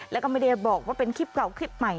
แล้วก็ไม่ได้บอกว่าเป็นคลิปเก่าคลิปใหม่